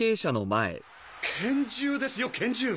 拳銃ですよ拳銃！